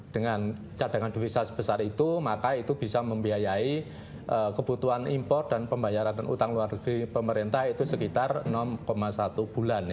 dengan cadangan devisa sebesar itu maka itu bisa membiayai kebutuhan impor dan pembayaran dan utang luar negeri pemerintah itu sekitar enam satu bulan